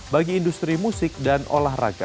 bagi industri musik dan olahraga